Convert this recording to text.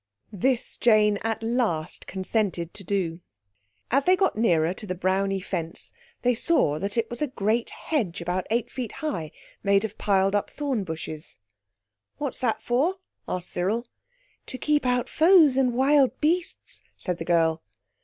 This Jane at last consented to do. As they got nearer to the browny fence they saw that it was a great hedge about eight feet high, made of piled up thorn bushes. "What's that for?" asked Cyril. "To keep out foes and wild beasts," said the girl.